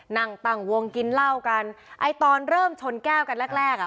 นั่งตั้งวงกินเหล้ากันไอ้ตอนเริ่มชนแก้วกันแรกแรกอ่ะ